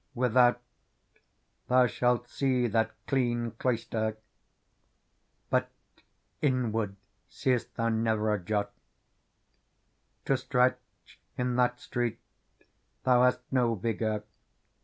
Without, thou shalt see that clean cloistour But inward seest thou nevgEJijot. To stretch inTFat street thou hast no vigour.